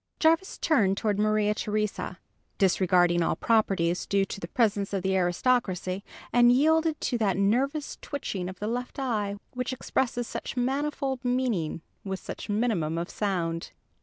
Jarvis turned toward Maria Theresa, disregarding all properties due to the presence of the aristocracy, and yielded to that nervous twitching of the left eye which expresses such manifold meaning with such minimum of sound!